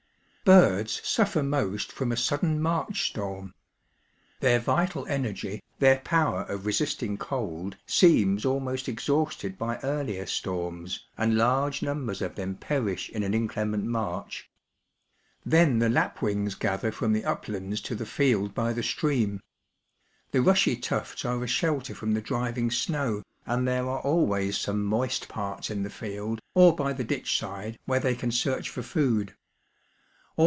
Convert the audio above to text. Birds suffer most from a sudden March storm. Their vital energy, their power of resisting cold, seems almost exhausted by earlier storms, imd large numbers of them perish in im inclement March. Then the lapwings gather from the uplands to the field by the stream. The rushy tufts are a shelter from the driving snow, imd there are always some moist parts in the field or by the ditchside where they can search for food.